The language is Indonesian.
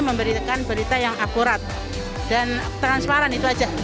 dan transparan itu aja